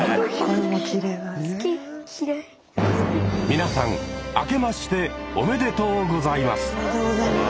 皆さんあけましておめでとうございます。